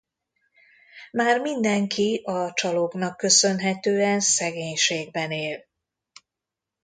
Már mindenki a csalóknak köszönhetően szegénységben él.